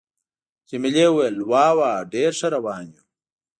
جميلې وويل:: وا وا، ډېر ښه روان یو.